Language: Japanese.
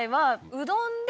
うどんで？